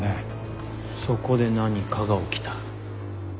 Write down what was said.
そこで何かが起きた。